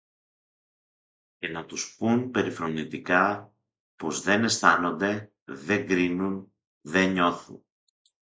και να τους πουν περιφρονητικά πως δεν αισθάνονται, δεν κρίνουν, δε νιώθουν.